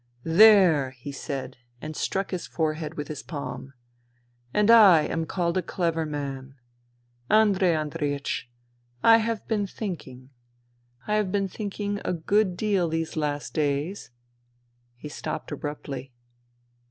" There !" he said, and struck his forehead with his palm. " And I am called a clever man. Andrei Andreiech, I have been thinking. I have been thinking a good deal these last days." He stopped abruptly.